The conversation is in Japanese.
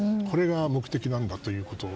これが目的だと。